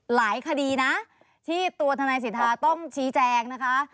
หลายคดีนะที่ตัวทนายสิทธาต้องชี้แจงนะคะ